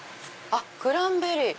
あっクランベリー。